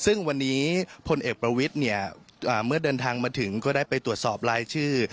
ซึ่งวันนี้พลเอกประวิทย์เนี่ยเมื่อเดินทางมาถึงก็ได้ไปตรวจสอบรายชื่อ